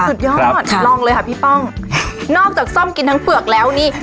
สุดยอดลองเลยค่ะพี่ป้องนอกจากซ่อมกินทั้งเปลือกแล้วนี่